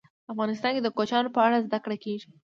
افغانستان کې د کوچیانو په اړه زده کړه کېږي.